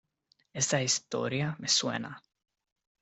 esa historia me suena.